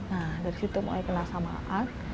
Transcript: nah dari situ mulai kenal sama art